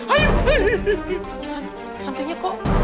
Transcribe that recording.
hantu hantunya kok ceket